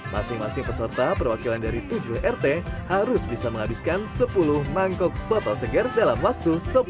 masing masing peserta perwakilan dari tujuh rt harus bisa menghabiskan sepuluh mangkok soto segar dalam waktu sepuluh menit